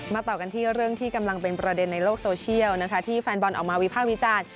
ต่อกันที่เรื่องที่กำลังเป็นประเด็นในโลกโซเชียลนะคะที่แฟนบอลออกมาวิภาควิจารณ์